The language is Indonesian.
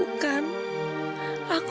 aku merelakan anakku